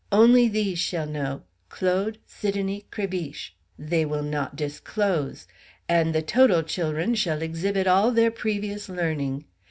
Only these shall know Claude, Sidonie, Crébiche; they will not disclose! And the total chil'run shall exhibit all their previous learning!